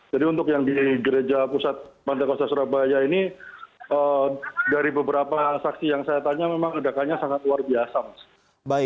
jadi untuk yang di gereja pusat pantai kosta surabaya ini dari beberapa saksi yang saya tanya memang ledakannya sangat luar biasa mas